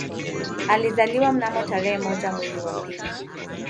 Alizaliwa mnamo tarehe moja mwezi wa pili